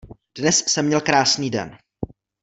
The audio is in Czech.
Dnes jsem měl krásný den.